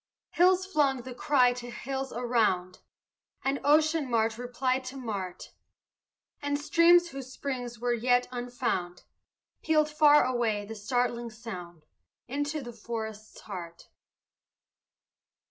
Hills flung the cry to hills around, And ocean mart replied to mart, And streams, whose springs were yet unfound, Pealed far away the startling sound Into the forest's heart.